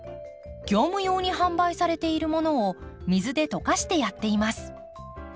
業務用に販売されているものを水で溶かしてやっています。